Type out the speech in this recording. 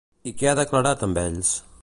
I què ha declarat amb ells?